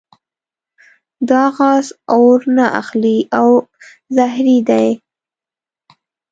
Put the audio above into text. دا غاز اور نه اخلي او زهري دی.